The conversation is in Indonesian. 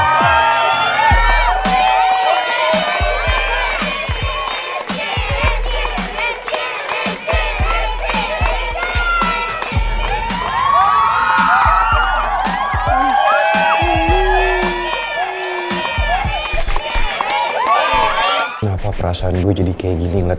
kenapa perasaan gue jadi kayak gini ngeliat